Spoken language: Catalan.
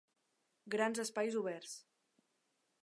Grans espais oberts.